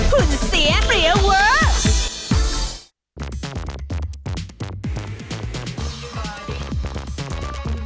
หุ่นเสียเปรียเวิร์ด